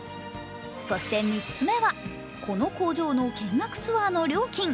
そして３つ目は、この工場の見学ツアーの料金。